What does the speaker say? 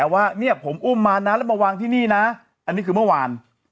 ว่าเนี่ยผมอุ้มมานะแล้วมาวางที่นี่นะอันนี้คือเมื่อวาน